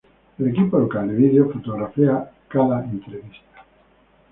El equipo local de vídeo fotografía cada entrevista.